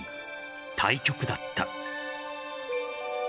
対極だった。